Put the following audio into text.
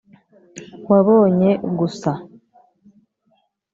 wabonye gusa